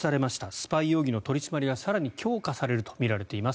スパイ容疑の取り締まりが更に強化されるとみられています。